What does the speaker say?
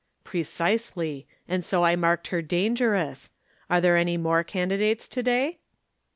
"Precisely. And so I marked her 'Dangerous.' Are there any more candidates to day?"